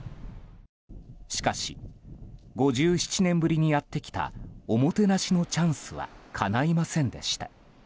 しかし、５７年ぶりにやってきたおもてなしのチャンスはかないませんでした。